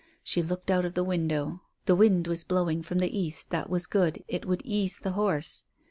She looked out of the window. The wind was blowing from the east; that was good, it would ease the horse.